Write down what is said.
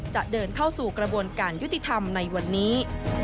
จะเดินเข้าสู่กระบวนการยุติธรรมในวันนี้